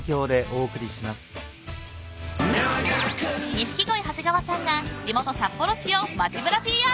［錦鯉長谷川さんが地元札幌市を街ぶらＰＲ］